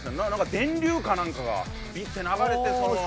電流かなんかがビッて流れてそのまま。